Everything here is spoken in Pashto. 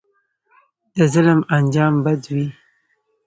د ظلم انجام بد وي